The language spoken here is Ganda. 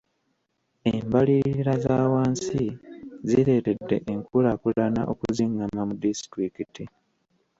Embalirira za wansi zireetedde enkulaakulana okuzingama mu disitulikiti.